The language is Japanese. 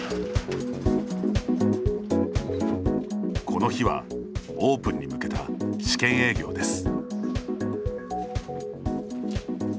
この日は、オープンに向けた試験営業です。